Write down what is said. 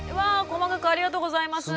細かくありがとうございます！